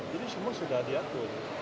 jadi semua sudah diatur